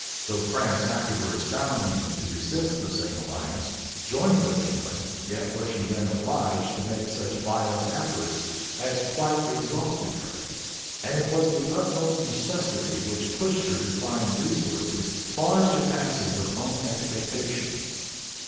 Though France afterwards found means to resist the same alliance, joined with England, yet was she then obliged to make such violent efforts as quite exhausted her; and it was the utmost necessity which pushed her to find resources far surpassing her own expectations.